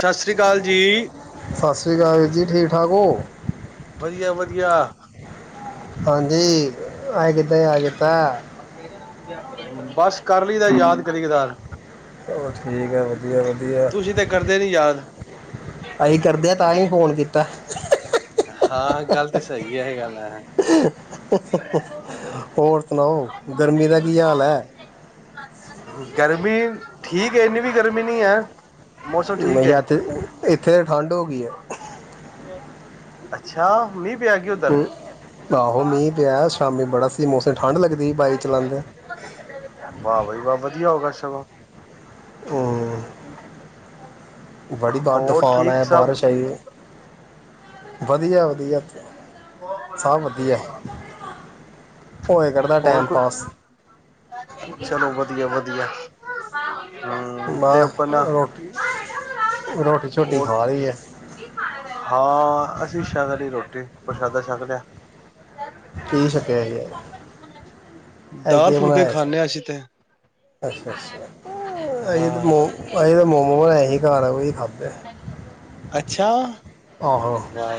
ਸਤਿ ਸ੍ਰੀ ਅਕਾਲ ਜੀ ਤੁ ਸ਼ਿਕਾਇਤ ਜੀ ਠੀਕ ਠਾਕ ਹੋ ਵਧੀਆ ਵਧੀਆ ਹਾਂਜੀ ਅੱਜ ਕਿਦਾ ਯਾਦ ਕਿਤਾ ਬਸ ਕਰ ਲਈਦਾ ਯਾਦ ਕਦੀ ਕਦਾਰ ਚਲੌ ਠੀਕ ਆ ਵਧੀਆ ਵਧੀਆ ਤੁਸੀਂ ਤੇ ਕਰਦੇ ਨੀ ਯਾਦ ਅਸੀ ਕਰਦੇ ਆ ਤਾਂਹੀ ਫੋਨ ਕੀਤਾ ਹਾਂ ਗੱਲ ਤੇ ਸਹੀ ਹੈ ਇਹ ਗੱਲ [unintelligible] ਹੋਰ ਸੁਣਾਓ ਗਰਮੀ ਦਾ ਕੀ ਹਾਲ ਹੈ ਗਰਮੀ ਠੀਕ ਹੈ ਇੰਨੀ ਵੀ ਗਰਮੀ ਨੀ ਹੈ ਮੌਸਮ ਠੀਕ ਹੈ [unintelligible] ਇਥੇ ਠੰਡ ਹੋ ਗਈ ਅੱਛਾ [unintelligible] ਆਹੋ ਮੀ ਪਿਆ ਸ਼ਾਮੀ ਬੜਾ ਸਹੀ ਮੌਸਮ ਠੰਡ ਲਗਦੀ ਬਾਾਈਕ ਚਲਉਦੇ ਵਾਹ ਬਾਈ ਵਧੀਆ ਹੋਗਾ ਸਗੋਂ ਹੂੰ ਬੜੀ ਵਾਰ ਹੋਰ ਤੂਫਾਨ ਠੀਕ ਆ ਸਭ ਬਾਰਿਸ਼ ਆਈਏ ਵਧੀਆ ਵਧੀਆ ਸਭ ਵਧੀਆ ਹੋਏ ਕਰਦਾ ਹੋਰ ਟਾਈਮ ਕੋ ਪਾਸ ਚਲੋ ਵਧੀਆ ਵਧੀਆ [unintelligible] ਤੇ ਆਪਣਾ [inaudible] ਰੋਟੀ ਛੋਟੀ ਖਾ ਲਈ ਹੈ ਹਾਂ ਅਸੀਂ ਸ਼ਾਇ ਲਈ ਰੋਟੀ [unintelligible] ਕੀ ਛਕਿਆ ਸੀ ਯਾਰ ਹੈ ਦਾਲ ਕਿ ਫੁਲਕੇ ਬਣਾਇਆ ਸੀ ਖਾਂਦੇ ਹਾਂ ਅਸੀਂ ਤੇ ਅੱਛਾ ਅੱਛਾ ਅਸੀਂ ਹਾਂ ਤਾਂੋ ਅਸੀਂ ਤਾਂ ਮੋਮੋ ਸੀ ਘਰ [unintelligible] ਅੱਛਾ ਆਹੋ ਵਾ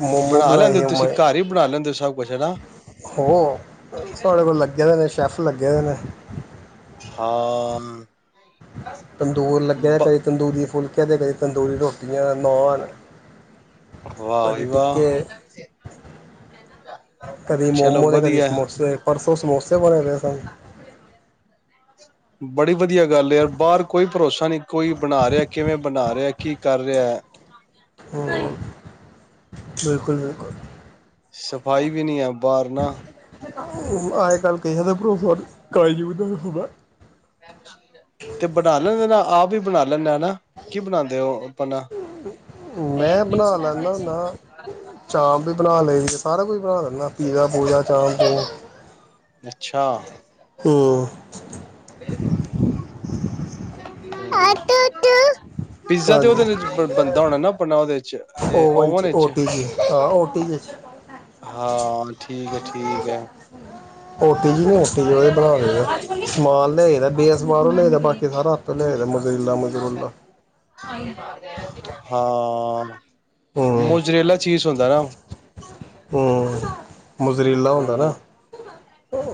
ਮੋਮੋ ਬਣਾ ਬਣਾਏ ਲੈਂਦੇ ਸੀ ਤੁਸੀਂ ਮੈਂ ਘਰ ਹੀ ਬਣਾ ਲੈਂਦੇ ਹੋ ਸਗ ਹੋ ਤੁਡੇ ਕੋਲ ਲੱਗਿਆ ਨੇ ਸ਼ੈਫ [unintelligible] [unintelligible] ਤੰਦੂਰ ਲੱਗਿਆ ਕਦੇ ਤੰਦੂਰੀ ਫੁਲਕੇ ਕਦੇ ਬੇਸਨ ਤੰਦੂਰੀ ਰੋਟੀਆਂ ਨਾਨ ਵਾਹ ਕਦੀ ਜੀ ਵਾਹ ਟਿੱਕੇ ਕਦੀ ਚਲੋ ਮੋਮੋ ਕਦੀ ਵਧੀਆ ਸਮੋਸੇ ਪਰਸੋ ਸਮੋਸੇ ਕਿੱਥੇ ਬਣਦੇ ਸਨ ਬੜੀ ਵਧੀਆ ਗੱਲ ਹੈ ਯਾਰ ਬਾਹਰ ਕੋਈ ਭਰੋਸਾ ਨਹੀਂੀ ਕੋਈ ਬਣਾ ਰਿਹਾ ਕਿਵੇਂ ਬਣਾ ਰਿਹਾ ਕੀ ਕਰ ਰਿਹਾ ਹੈ ਹਮ ਬਿਲਕੁਲ ਬਿਲਕੁਲ ਸਫਾਈ ਵੀ ਨਹੀਂ ਹੈ ਬਾਹਰ ਨਾ ਅੱਜ ਕੱਲ ਕਿਸੇ ਦਾ ਭਰੋਸਾ ਨਹੀਂ ਕਲਯੁਗ ਦਾ ਸਮਾਂ ਤੇ ਬਣਾ ਲੈਂਦੇ ਨਾ ਆਪ ਵੀ ਬਣਾ ਲੈਦਾ ਹਨਾ ਕੀ ਬਣਾਉਦੇ ਆਪਨਾ ਮੈਂ ਬਣਾ ਲੈਂਣਾ ਹੁੰਨਾ ਬਣਾ ਲਈਦੀ ਹ ਸਾਰਾ ਕੁਝ ਬਣਾ ਅੱਛਾ ਹਮ ਬੇਬ ਪੀਜ਼ਾ ਤੇ ਹਾਂਜੀ ਉਹਦੇ ਵਿੱਚ ਵਿੱਚ ਬਣਦਾ ਆਪਣਾ ਉਹਦੇ ਵਿਚ ਓਵਨ ਓ ਚ ਟੀ ਜੀ ਹਾਂ ਓ ਟੀ ਜੀ 'ਚ ਠੀਕ ਹੈ ਠੀਕ ਹੈ ਹੋਰ ਯੂਨੀਵਰਸਿਟੀ ਚ ਉਹਦੇ ਭਰਾ ਗੇ ਆ ਤਬੀਅਤ ਸਮਾਨ ਲੈ ਕੇ ਆਪਾ ਹਨੇਰੇ ਮਨੇਰੇ ਲਿਆ ਮਜ਼ਰੂਲਾ ਹਾਂ ਹੂੰ ਮੁਜਰੇਲਾ ਚੀਜ਼ ਹੁੰਦਾ ਏਨਾ ਮੁਜਰੇਲਾ ਹੁੰਦਾ ਏਨਾ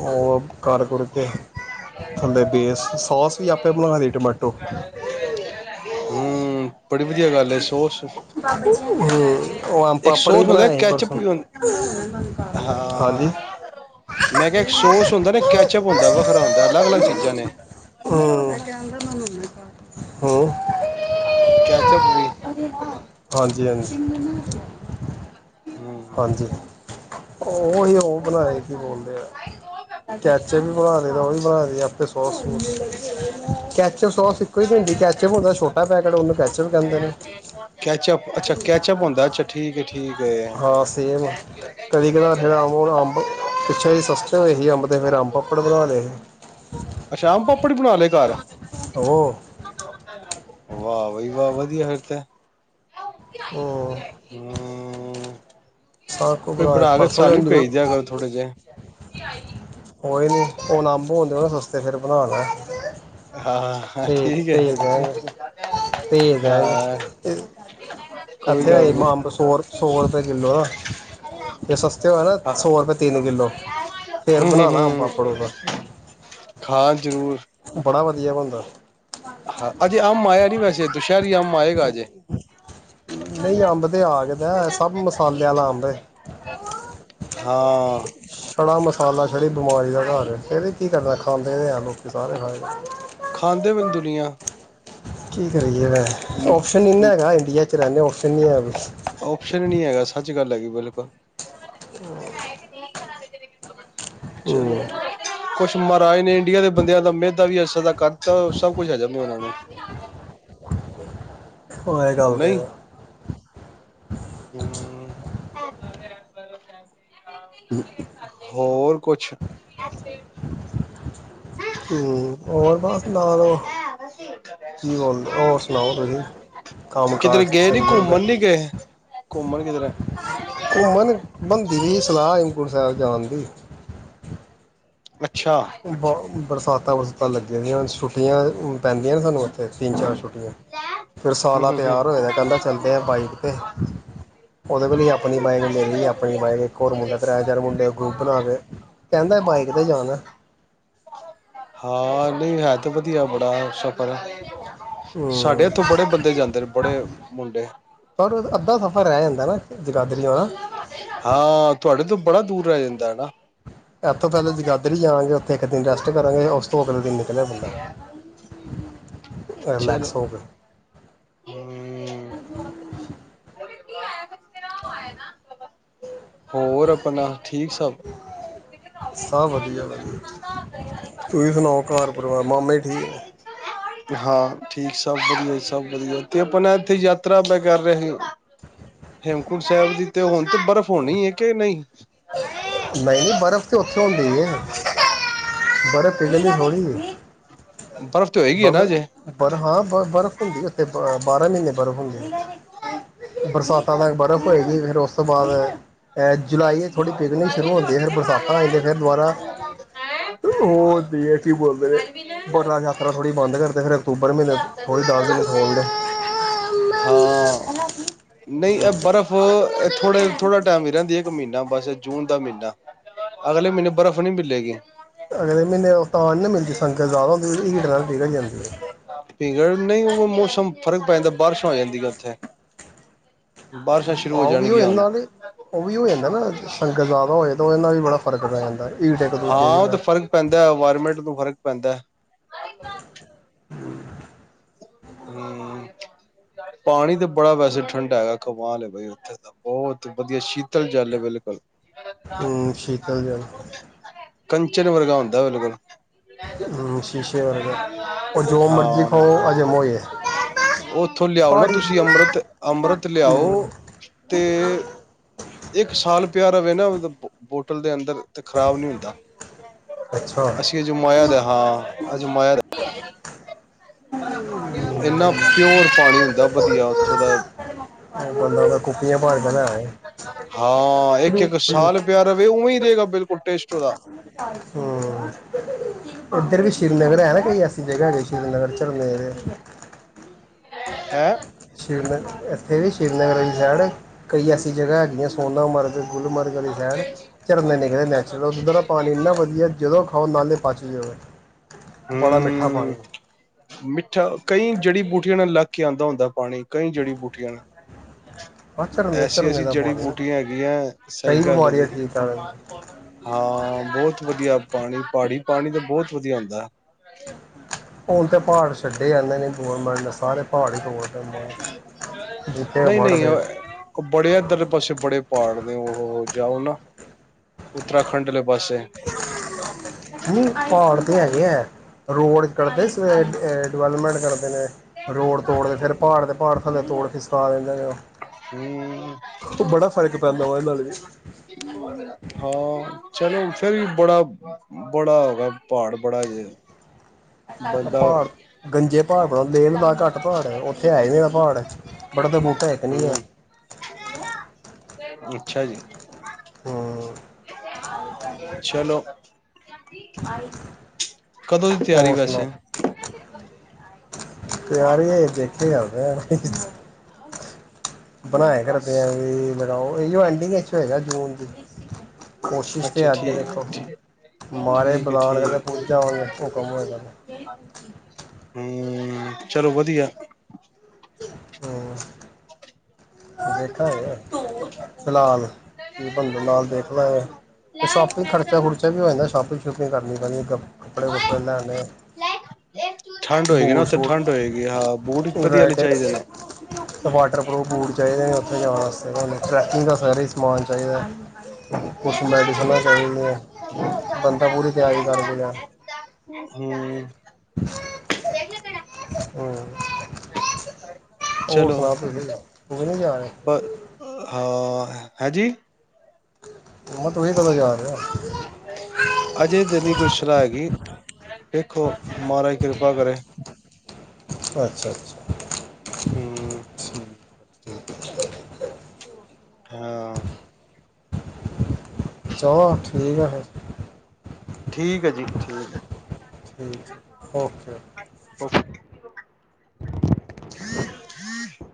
ਹੋਰ ਘਰ ਕੁੁਰ ਦੇ ਹੰ ਬੜੀ ਵਧੀਆ ਗੱਲ ਹੈ ਸੋਸ ਇੱਕ ਹ ਉਹ ਆਮ ਪਾਪੜ ਵੀ ਸੋਸ ਹੁੰਦਾ ਬਨਾਏ ਸੀ, ਕੈਚਅਪ ਪਰਸੋਂ ਵੀ ਹੁੰ ਹਾਂ ਹਾਂਜੀ ਮੈਂ ਕਿਹਾ ਇੱਕ ਸੋਸ ਹੁੰਦਾ ਨਾ ਕੈਚਅਪ ਹੁੰਦਾ ਉਹ ਹਰਾ ਦਾ ਅਲੱਗ ਅਲੱਗ ਕੁਝ ਚੀਜ਼ਾਂ ਨੇ [inaudible] ਹਮ ਹਮ। ਕੈਚਪ ਵੀ ਹਾਂਜੀ ਹਾਂਜੀ। ਹਮ। ਉਹਹੀ ਉਹ ਬਣਾਏ ਕੀ ਬੋਲਦੇ ਆ, ਕੈਚੇ ਵੀ ਬਣਾ ਦੇ ਉਹ ਵੀ ਬਣਾ ਅਤੇ ਆਪੇ ਸੋਸ ਕੈਚਅਪ, ਸੋਸ ਇੱਕੋ ਹੀ, ਹੁੰਦੀ ਕੈਚਅਪ ਹੁੰਦਾ ਛੋਟਾ ਪੈਕਟ ਉਹਨੂੰ ਕੈਚਪ ਕਹਦੇ ਨੇ। ਕੈਚਅਪ ਅੱਛਾ ਕੈਚਅਪ ਹੁੰਦਾ ਅੱਛਾ ਠੀਕ ਜੀ। ਹਾਂ ਸੇਮ, ਕਦੀ ਕਦਾ ਫਿਰ ਅੰਬ ਹੁਣ ਅੰਬ ਪਿੱਛੇ ਜਿਹੇ ਸਸਤੇ ਹੋਏ ਸੀ, ਅੰਬ ਤੇ ਫਿਰ ਅੰਬ ਪਾਪੜ ਬਣਾ ਲੈਂ ਅੱਛਾ ਆਮ ਪਾਪੜ ਵੀ ਬਣਾ ਲਏ ਘਰ? ਹੋ [inaudible] ਵਾਹ, ਵਹੀ, ਵਾਹ ਵਧੀਆ ਫਿਰ ਤੇ। ਆਈ ਹੂੰ ਆਈ [inaudible] ਹੂ ਸਾਰਾ ਕੁਝ ਕੋਈ ਬਣਾ ਕੇ ਪਰਸੋਂ ਜੋ ਸਾਨੁੰ ਵੀ ਨਿਊ ਭੇਜ ਦਿਆ ਕਰੋ, ਥੋੜੇ ਜਿਹੇ। ਆਈ [inaudible] ਕੋਈ ਨਹੀਂ ਹੁਣ ਅੰਬ ਹੁੰਦੇ, ਉਹ ਸਸਤੇ ਫਿਰ ਹਾਂ ਤੇ ਤੇ ਠੀਕ ਹੈ ਤੇਜ ਤੇ ਤੇਜ ਹਾਂ ਕੋਈ ਇਥੇ ਗੱਲ ਆ, ਨੀ ਅੰਬ ਸੌ ਸੌ ਰੁਪਇ ਕਿੱਲੋ ਨਾ ਜੇ ਸਸਤੇ ਹੋਏ ਨਾ ਹਾਂ ਸੌ ਰੁਪਏ ਤਿੰਨ ਕਿੱਲੋ ਫਿਰ ਹਮ ਬਣਾਉਣਾ ਹਮ ਆਮ ਹਮ ਪਾਪੜ ਓਦਾ ਹਾਂ ਜ਼ਰੂਰ। ਬੜਾ ਵਧੀਆ ਬਣਦਾ। ਹਾਂ ਅਜੇ ਆ ਮ ਆਇਆ ਨੀ ਵੈਸੇ ਦੁਸਹਿਰੀ ਆਮ ਆਏਗਾ, ਅਜੇ। ਨਹੀਂ, ਅੰਬ ਤੇ ਆ ਗਦਾ ਸਭ ਮਸਾਲੇ ਵਾਲਾ ਅੰਬ ਹੈ। ਹਾਂ [inaudible] ਛੜਾ ਮਸਾਲਾ ਛੜੀ ਬਿਮਾਰੀ ਦਾ ਘਰ, ਕੀ ਕਰਨਾ ਖਾਂਦੇ ਹੈ ਲੋਕੀ ਸਾਰੇ ਖਾ ਖਾਂਦੇ ਪਏ ਨੇ ਦੁਨੀਆਂ। ਕੀ ਕਰੀਏ ਵੇਹੇ ਔਪਸ਼ਨ ਨਹੀਂ ਹੈਗਾ ਇੰਡੀਆ ' ਰਹਿਨੇ ਓ। ਸੁਵ [inaudible] ਓਪਸ਼ਨ ਨੀ ਹੈਗਾ, ਸੱਚ -ਗੱਲ ਹੈਗੀ ਬਿਲਕੁਲ। ਚਲੋ ਹੂੰ ਕੁਛ ਮਹਾਰਾਜ ਨੇ ਇੰਡੀਆ ਦੇ ਬੰਦਿਆਂ ਦਾ ਮੇਹ ਦਾ ਵੀ ਐਸਾ ਕਰਤਾ ਸਭ ਕੁਛ ਹੈ ਜਾਂ ਇਹਨਾਂ ਨੂੰ ਉਹ ਇਹ ਗੱਲ ਤੇ ਹਮ [unintelligible] [unintelligible] ਹੋਰ ਕੁਛ ਹੂੰ, ਹੋਰ ਬਸ ਲਾ ਲਓ ਕੰਮ [unintelligible] ਕਿਧਰੇ ਕਾਰ ਗਏ ਨੀ, ਸਹੀ ਚੱਲਦਾ ਘੁੰਮਣ ਨਹੀਂ ਗਏ ਘੁੰਮਣ ਕਿਧਰ ਘੁੰਮਣ ਕੀਤੀ ਸਲਾਹ ਹੇਮਕੁਟ ਸਾਹਿਬ ਜਾਣ ਦੀ। [inaudible] [inaudible] ਅੱਛਾ ਪੈਂਦੀਆਂ ਨੇ ਸਾਨੂੰ ਉਥੇ ਤਿੰਨ ਚਾਰ ਛੁੱਟੀਆਂ ਫਿਰ ਹੂੰ ਸਾਲਾ ਹੂੰ ਹੂੰ ਤਿਆਰ ਹੋਇਆ, ਕਹਿੰਦਾ ਚਲਦੇ ਆ ਬਾਈਕ ਤੇ ਉਹਦੇ ਕੋਲ ਆਪਣੀ ਬਾਈਕ ਮੇਰੀ ਆ ਇੱਕ ਹੋਰ ਮੁੰਡਾ ਹੋਰ ਕਰਾਇਦਾਰ ਮੁੰਡੇ ਦਾ ਗਰੁੱਪ ਬਣਾ ਕੇ ਕਹਿੰਦਾ ਬਾਏ ਕਿਤੇ ਜਾਣਾ ਹਾਂ ਨਹੀਂ, ਹੈ ਤੇ ਵਧੀਆ ਬੜਾ ਸਭ ਸਾਡੇ ਹੂੰ ਉੱਥੋਂ ਬੜੇ ਬੰਦੇ ਜਾਂਦੇ ਨੇ, ਬੜੇ ਮੁੰਡੇ ਉਹਾ ਸਫ਼ਰ ਰਹਿ ਜਾਂਦਾ ਨਾ ਜਗਾਦਰੀ ਵਾਲਾ ਹਾਂ ਤੁਹਾਡੇ ਤੋਂ ਬੜਾ ਦੂਰ ਰਹਿ ਜਾਂਦਾ ਹਨਾ। ਇੱਥੋਂ ਪਹਿਲਾਂ ਜਗਾਦਰੀ ਜਾਵਾਂਗੇ, ਉੱਥੇ ਇੱਕ ਦਿਨ ਰੈਸਟ ਕਰਾਂਗੇ ਉਸ ਤੋਂ ਅਗਲੇ ਦਿਨ ਚਲਿਆ ਬੰਦਾ, ਰਿਲੈਕਸ ਹੋ ਕੇ [inaudible] ਹੂੰ ਆਇਆ, ਆਇਆ ਨਾ ਹੋਰ ਆਪਣਾ, ਠੀਕ ਸਭ ਸਭ ਵਧੀਆ- ਵਧੀਆ, ਤੁਸੀਂ ਸੁਣਾਓ ਘਰ ਪਰਿਵਾਰ, ਮਾਮੇ ਠੀਕ ਨੇ ਹਾਂ ਠੀਕ ਸਬ ਵਦੀਆਂ ਸਭ ਵਧੀਆ ਤੇ ਆਪਾਂ ਨਾ ਇੱਥੇ ਯਾਤਰਾ ਆਪਾਂ ਕਰ ਰਹੇ ਸੀ, ਹੇਮਕੁੰਟ ਸਾਹਿਬ ਦੀ ਤੇ ਹੁਣ ਤੇ ਬਰਫ਼ ਹੋਣੀ ਹੈ ਕਿ ਨਹੀਂ [inaudible] ਨਹੀਂ ਨਹੀਂ, ਬਰਫ਼ ਉੱਥੇ ਹੁੰਦੇ ਜੇ, ਬੜੇ [unintelligible] ਬਰਫ਼ ਤੇ ਹੋਏਗੀ ਹੈ ਬ ਨਾ ਅਜੇ ਬ ਹਾਂ, ਬ ਬਰਫ਼ ਹੁੰਦੀ ਉੱਥੇ ਬਾਰਾਂ ਮਹੀਨੇ ਬਰਫ਼ ਹੁੰਦੀ ਬਰਸਾਤਾਂ ਤੱਕ ਬਰਫ਼ ਹੋਏਗੀ, ਫੇਰ ਉਸ ਤੋਂ ਬਾਅਦ ਜੁਲਾਈ ਥੋੜ੍ਹੀ ਪਿਕਨਿਕ ਸ਼ੁਰੂ ਹੁੰਦੀ ਹੈ। ਫਿਰ ਬਰਸਾਤਾਂ ਆਈ ਜਾਂਦੀਆਂ, ਫਿਰ ਦੁਬਾਰਾ ਉਹਦੀ ਕੀ ਬੋਲਦੇ ਬਰ ਤੁਸੀ ਬੰਦ ਕਰਦੇ ਫ਼ਿਰ ਹਾਂ ਨਹੀਂ ਇਹ ਬਰਫ਼ ਇਥੇ ਥੋੜੇਥੜਾ ਟਾਈਮ ਹੀ ਰਹਿੰਦੀ ਹੈ ਇੱਕ ਮਹੀਨਾ ਬਸ ਜੂਨ ਦਾ ਮਹੀਨਾ ਅਗਲੇ ਮਹੀਨੇ ਬਰਫ਼ ਨਹੀਂੀ ਮਿਲੇਗੀ ਅਗਰ ਇਹ ਮਹੀਨੇ ਉਤਾਂ ਨਹੀਂ ਨਾ ਮਿਲਦੀ ਸੰਗਤ ਜ਼ਿਆਦਾ ਹੁੰ ਉਹਦੀ ਹੀਟ ਨਾਲ ਠੀਕ ਹੋ ਜਾਂਦੀ ਹੈ ਨਹੀਂ ਮੌਸਮ ਫ਼ਰਕ ਪੈ ਜਾਂਦਾ ਬਾਰਿਸ਼ ਆ ਜਾਂਦੀਆਂ ਉੱਥੇ ਬਾਰਿਸ਼ਾਂ ਸ਼ੁਰੂ ਆਹ ਹੋ ਉਹ ਵੀ ਹੋਏ ਜਾਣਗੀਆਂ ਹੁਣ ਨਾਲ ਉਹ ਵੀ ਹੋ ਜਾਂਦਾ ਨਾ ਸੰਗਤ ਜ਼ਿਆਦਾ ਹੋਏ ਤਾਂ ਉਹ ਨਾਲ ਵੀ ਬੜਾ ਪਰਕ ਹਾਂ ਉਹ ਤੇ ਫਰਕ ਪੈਂਦਾ ਇਨਵਾਇਰਮੈਂਟ ਨੂੰ ਫਰਕ ਪੈਂਦਾ ਹਮ ਪਾਣੀ ਤਾਂ ਬੜਾ ਵੈਸੇ ਠੰਢਾ ਹੈਗਾ ਕਮ ਲ ਬਾਈ ਉੱਥੇ ਤਾਂ ਬਹੁਤ ਵਧੀਆ ਸ਼ੀਤਲ ਜਲ ਬਿਲਕੁਲ ਹਮ ਸ਼ੀਤਲ ਜਲ ਕੰ ਨ ਵਰਗਾ ਹੁੰਦਾ ਬਿਲਕੁਲ ਹਮ ਸ਼ੀਸ਼ੇ ਵਰਗਾ ਉਹ ਜੋ ਮਰਜੀੀ ਹਾਂ ਖਾਓ ਅਜਮ ਹੋ ਹੀ ਉੱਥੋਂ ਲਿਆਓ ਨਾ ਤੁਸੀਂ ਅੰਮ੍ਰਿਤ ਅੰਮ੍ਰਿਤ ਲਿਆਓ ਹਮ ਤੇ ਇੱਕ ਸਾਲ ਪਿਆਰਾ ਵਵੇ ਨਾ ਬੋਟਲ ਦੇ ਅੰਦਰ ਤੇ ਖ਼ਰਾਬ ਨੀ ਹੁੰਦਾ ਅੱਛਾ ਅਸੀਂ ਅਜਮਾਇਆ ਦੇ ਹਾਂ ਅਜਮਾਇਆ ਇੰਨਾ ਪਿਓਰ ਪਾਣੀ ਹੁੰਦਾ ਵਧੀਆ ਉੱਥੋਂ ਦਾ ਇਹ ਬੰਦਾ ਤਾਂ ਕੁੱਪੀਆਂ ਭਾਰ ਕੇ ਲੈ ਆਏ ਹਾਂ ਇੱਕ ਹਮ ਇੱਕ ਸਾਲ ਪਿਆ ਰਵੇ ਉਹ ਹੂੰਮੀਂ ਦੇਦੇ ਗ ਬਿਲ ਕੁੱਟੇਟ ਦਾਦਾ ਹਮ ਉੱਧਰ ਵੀ ਸ੍ਰੀਨਗਰ ਹੈ ਨਾ ਕੋਈ ਐਸੀ ਜਗ੍ਹਾ ਕਿ ਸ੍ਰੀਨਗਰ ਝੱਲਣ ਦੇ ਹੈਂ ਸ਼ ਇੱਥੇ ਵੀ ਸ੍ਰੀਨਗਰ ਵਾਲੀ ਸਾਈਡ ਕਈ ਐਸੀ ਜਗਾ ਹੈਗੀਆਂ ਸੋਨਾ ਮਰਦ ਗੁਲਮਰਗ ਵਾਲੀ ਸਾਈਡ ਝਰਨੇ ਨਿਕਲੇ ਨੈਚੁਰਲ ਉੱਧਰ ਦਾ ਪਾਣੀ ਇੰਨਾ ਵਧੀਆ ਜਦੋਂ ਖਾਓ ਨਾਲੇ ਪਚ ਜਾਵੇ ਬੜਾ ਮਿੱਠਾ ਹਮ ਪਾਣੀ ਮਿੱਠਾ ਕਈ ਜੜੀ ਬੂਟੀਆਂ ਨੇ ਲੱਗ ਕੇ ਆਉਂਦਾ ਹੁੰਦਾ ਪਾਣੀ ਕਈ ਜੜੀ ਬੂਟੀਆਂ ਨੇ ਆ ਝਰਨੇ ਐਸੀ ਝਰਨੇ ਐਸੀ ਦਾ ਜੜੀ ਪਾਣੀ ਆ ਬੂਟੀਆਂ ਹੈਗੀਆਂ ਸਹੀ ਕਈ ਗੱਲ ਹੈ ਬਿਮਾਰੀਆਂ ਜੀ ਠੀਕ ਕਰ ਹਾਂ ਬਹੁਤ ਵਧੀਆ ਪਾਣੀ ਪਹਾੜੀ ਪਾਣੀ ਤਾਂ ਬਹੁਤ ਵਧੀਆ ਹੁੰਦਾ [unintelligible] ਹੁਣ ਤੇ ਪਹਾੜ ਛੱਡੇ ਆ ਨੀ ਗੌਰਮੈਂਟ ਨੇ ਸਾਰੇ ਪਹਾੜ ਹੀ ਦੋੜਦੇ ਮ ਬੂਟੇ ਨਹੀਂ-ਨਹੀਂ ਬੜਢਦੇ ਉਹ ਬੜੇ ਇੱਧਰਲੇ ਪਾਸੇ ਬੜੇ ਪਹਾੜ ਨੇ ਉਹ ਜਾਓ ਨਾ ਉੱਤਰਾਖੰਡ ਲ ਪਾਸੇ ਨਹੀਂ ਹੈ ਜੀ ਹੈ ਰੋਡ ਕਰੜਦੇ ਡਿਵਲਪਮੈਂਟ ਕਰਦੇ ਨੇ ਰੋੜ ਤੋੜਦੇ ਫੇਰ ਪਹਾੜ ਦੇ ਪਹਾੜ [unintelligible] ਹ ਬੜਾ ਫ਼ਰਕ ਪੈਂਦਾ ਉਹਦੇ ਨਾਲ ਵੀ ਹਾਂ ਚਲੋ ਫਿਰ ਵੀ ਬੜਾ ਬੜਾ ਹੋਗਾ ਪਹਾੜ ਬੜਾ ਜ ਪਹਾੜ ਗੰਜੇ ਪਹਾੜ ਬਣਾ ਲੇਹ ਲਦਾ ਘੱਟ ਪਹਾੜ ਉੱਥੇ ਹੈ ਨ ਪਹਾੜ ਬੜੇ ਤਾਂ [unintelligible] ਤਾ ਇੱਕ ਨਹੀਂ ਹੈ ਹੂੰ ਅੱਛਾ ਜੀ ਹਾਂ ਚਲੋ ਕਦੋਂ ਦੀ ਤਿਆਰੀ ਹੋਰ ਵੈਸੇ ਸੁਣਾਓ ਤਿਆਰ ਦੇਖੇ ਆਦਾ ਬਣਾਏ ਕਰਦੇ ਲਗਾਓ ਇਹ ਐਂਡਿੰਗ ਹੈਗਾ ਜੂਨ ਦੀ ਕੋਸ਼ਿਸ਼ ਅੱਛਾ ਤਾਂ ਅੱਗੇ ਠੀਕ ਦੇਖੋ ਮਾਰੇੇ ਠੀਕ ਹੈ ਬਲਾਨ ਕਤੇ ਠੀਕ ਪੁੱਜਾ ਹੋਣਗੇ ਉਹ ਕੰਮ ਹੋ ਕਰਦਾ ਹਮ ਚਲੋ ਵਧੀਆ ਹਮ ਦੇਖਾ ਫਿਲਹਾਲ ਕੀ ਬੰਦ ਨਾਲ ਦੇਖ ਲੈ ਤੇ ਸ਼ੋਪਿੰਗ ਖਰਚਾ ਖੁਰਚਾ ਵੀ ਹੋ ਜਾਂਦਾ ਸ਼ੋਪਿੰਗ ਸ਼ੋਪਿੰਗ ਕਰਨੀ ਕੱਪੜੇ ਕੁਪੜੇ ਲੈਣੇ ਠੰਡ ਹੋਏਗੀ ਨਾ ਬੂਟ ਉੱਥੇ ਸ਼ੂਟ ਠੰਡ ਹੋਏਗੀ ਹਾਂ ਬੂਟ ਵਧੀਆ ਵਾਲੇ ਚਾਹੀਦੇ ਨੇ ਵਾਟਰਪੂਫ ਬੂਟ ਉੱਥੇ ਜਾਣ ਵਸਤੇ ਟਰੈਕਿੰਗ ਦਾ ਸਰ ਹੀ ਸਮਾਨ ਚਾਹੀਦਾ ਕੁਛ ਮੈਡੀਸਨਾਂ ਚਾਹੀਦੀਆਂ ਬੰਦਾ ਪੂਰੀ ਤਿਆਰੀ ਕਰਕੇਿਆ ਹਮ [unintelligible] [unintelligible] ਹਮ ਹੋਰ ਚਲੋ ਸੁਣਾ ਪ ਤੂੰ ਵੀ ਨ ਜਾ ਹੈਾਂਜੀ ਉਹ ਤੁਸੀਸੀਂ ਕਦੋਂ ਜਾ ਰਹੇ ਹੋ ਅਜੇ ਤੇ ਤਾ ਨਹੀਂ ਕੋਈ ਸਲਾਹ ਹੈਗੀ ਦੇਖੋ ਮਾਹਾਰਾਜ ਕਿਰਪਾ ਕਰੇ ਅੱਛਾ ਅੱਛਾ। ਹਮ [inaudible] ਠੀਕ ਹਾਂ [inaudible] ਚਲੋ ਠੀਕ ਆ, ਫਿਰ ਠੀਕ ਹੈ, ਜੀ ਠੀਕ ਹੈ। ਠੀਕ ਜ ਓਕੇ ਓਕੇ ਓ [inaudible]